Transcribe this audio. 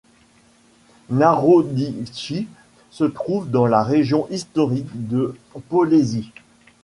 Narodytchi se trouve dans la région historique de Polésie.